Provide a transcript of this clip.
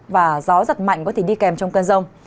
và gió giật mạnh có thể đi kèm trong cơn rông